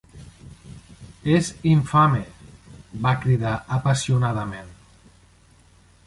"És infame", va cridar apassionadament.